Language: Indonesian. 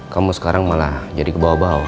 kamu sekarang malah jadi kebawa bawa